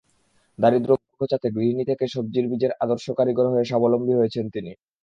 দারিদ্র্য ঘোচাতে গৃহিণী থেকে সবজির বীজের আদর্শ কারিগর হয়ে স্বাবলম্বী হয়েছেন তিনি।